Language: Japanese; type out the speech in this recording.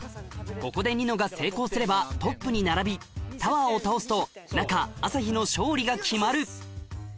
ここでニノが成功すればトップに並びタワーを倒すと仲朝日の勝利が決まる